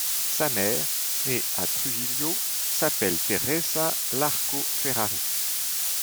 Sa mère, née à Trujillo, s'appelle Teresa Larco Ferrari.